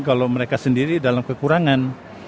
kalau mereka sendiri dalam kekurangan